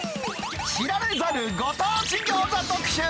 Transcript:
知られざるご当地餃子特集！